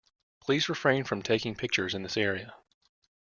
Please refrain from taking pictures in this area.